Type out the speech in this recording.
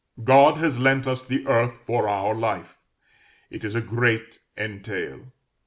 God has lent us the earth for our life; it is a great entail.